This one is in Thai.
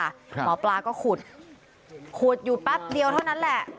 หมอปลาก็ขุดขุดอยู่แป๊บเดียวเท่านั้นแหละ